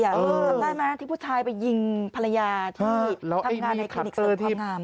จำได้ไหมที่ผู้ชายไปยิงภรรยาที่ทำงานในคลินิกเสริมความงาม